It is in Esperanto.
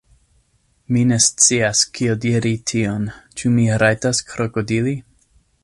Mi ne scias, kiel diri tion. Ĉu mi rajtas krokodili?